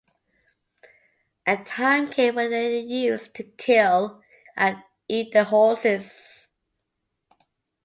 A time came when they used to kill and eat their horses.